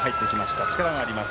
力があります。